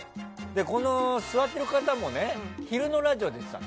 ここに座っている方も昼のラジオで言ってた。